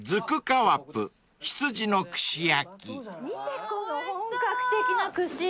見てこの本格的な串。